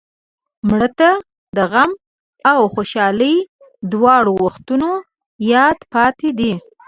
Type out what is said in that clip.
مړه ته د غم او خوشحالۍ دواړو وختونو یاد پاتې دی